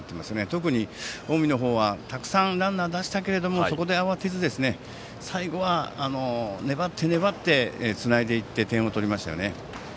特に近江はたくさんランナーを出したけれどもそこで慌てず最後は粘って粘ってつないでいって点を取りましたよね。